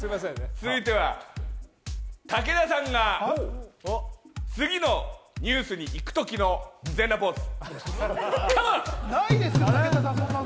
続いては武田さんが次のニュースに行くときの全裸ポーズ。